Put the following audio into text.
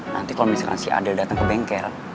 nanti kalau misalkan si adel datang ke bengkel